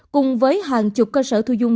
cùng với hàng chục cơ sở thu dung